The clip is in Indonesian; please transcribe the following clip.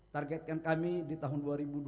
targetkan kami di tahun dua ribu dua puluh